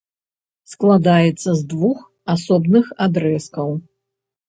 Складаецца з двух асобных адрэзкаў.